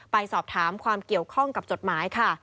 ไปสอบถามความเกี่ยวข้องกับจดหมายค่ะ